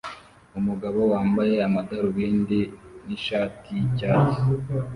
Umugabo wambaye amadarubindi nishati yicyatsi